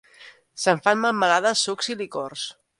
Se'n fan melmelades, sucs i licors.